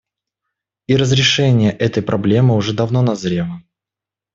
И разрешение этой проблемы уже давно назрело.